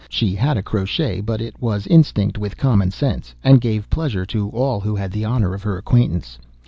She had a crotchet, but it was instinct with common sense, and gave pleasure to all who had the honor of her acquaintance.